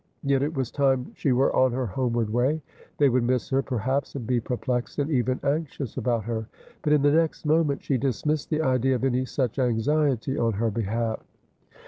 Yet it was time she were on her homeward way. They would miss her, perhaps, and be perplexed, and even anxious about her. But in the next moment she dismissed the idea of any such anxiety on her behalf.